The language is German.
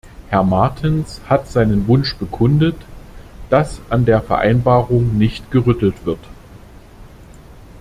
Herr Martens hat seinen Wunsch bekundet, dass an der Vereinbarung nicht gerüttelt wird.